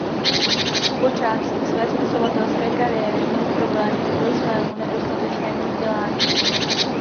V počátcích své spisovatelské kariéry měl problémy kvůli svému nedostatečnému vzdělání.